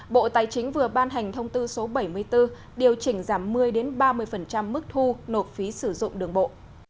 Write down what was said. bộ tài chính vừa ban hành thông tư số bảy mươi bốn điều chỉnh giảm một mươi ba mươi mức thu nộp phí sử dụng đường bộ